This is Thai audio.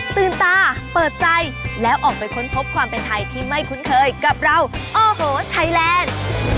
ตื่นตาเปิดใจแล้วออกไปค้นพบความเป็นไทยที่ไม่คุ้นเคยกับเราโอ้โหไทยแลนด์